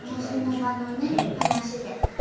その場のね話で。